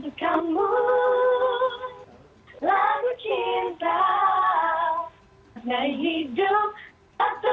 mungkin kasih dukungan intizenya jadi orang tua